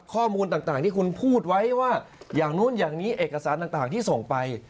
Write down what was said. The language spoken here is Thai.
ข้อมูลต่างที่คุณพูดไว้ว่าอย่างนู้นอย่างนี้เอกสารต่างที่ส่งไป